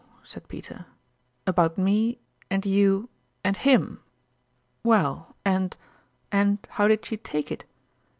said Peter, " about me, and you, and him ? Well, and and how did she take it ?